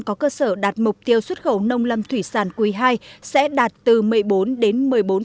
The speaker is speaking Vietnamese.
có cơ sở đạt mục tiêu xuất khẩu nông lâm thủy sản quý ii sẽ đạt từ một mươi bốn đến một mươi bốn năm tỷ usd